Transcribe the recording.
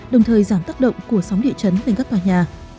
đồng thời giảm tác động của sóng địa chấn lên các tòa nhà